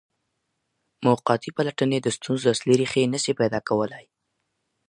مقطعي پلټني د ستونزو اصلي ریښې نه سي پیدا کولای.